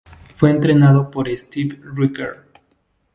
Fue entrenado por Steve Rickard.